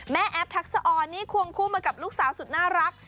แอฟทักษะออนนี่ควงคู่มากับลูกสาวสุดน่ารัก